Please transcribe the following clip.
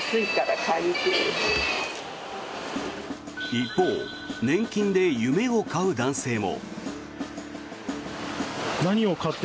一方年金で夢を買う男性も。